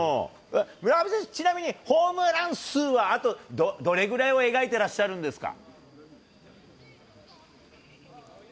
村上選手、ホームラン数はあとどれぐらいを描いてらっしゃるんですか？